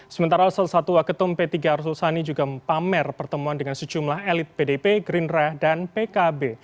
sementara salah satu waketum p tiga arsulsani juga pamer pertemuan dengan secumlah elit pdp green rah dan pkb